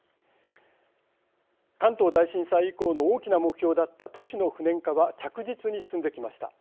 関東大震災以降の大きな目標だった都市の不燃化は着実に進んできました。